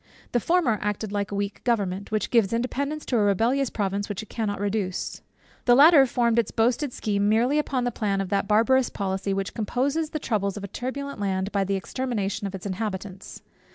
The former acted like a weak government, which gives independence to a rebellious province, which it cannot reduce. The latter formed its boasted scheme merely upon the plan of that barbarous policy, which composes the troubles of a turbulent land by the extermination of its inhabitants.